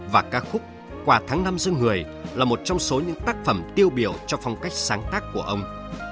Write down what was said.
và ca khúc quà tháng năm dương người là một trong số những tác phẩm tiêu biểu cho phong cách sáng tác của ông